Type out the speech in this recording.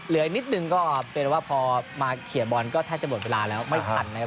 เหลือนิดหนึ่งก็เป็นว่าพอมาถี่บรรดิแทบเหล้าเวลียนไม่ขัดเลยครับ